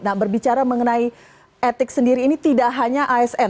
nah berbicara mengenai etik sendiri ini tidak hanya asn